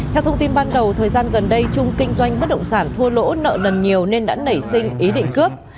theo thông tin ban đầu thời gian gần đây trung kinh doanh bất động sản thua lỗ nợ nần nhiều nên đã nảy sinh ý định cướp